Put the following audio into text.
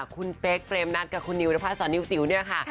คุณเป๊กเปรมนัดกับคุณนิวนภาษานิวจิ๋วเนี่ยค่ะ